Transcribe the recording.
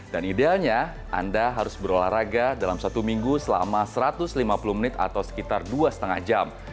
dan idealnya anda harus berolahraga dalam satu minggu selama satu ratus lima puluh menit atau sekitar dua lima jam